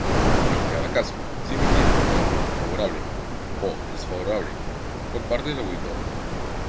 En cada caso se emitirá una opinión favorable o desfavorable por parte del auditor.